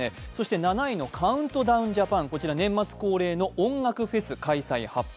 ７位のカウントダウンジャパン、年末恒例の音楽フェス発表。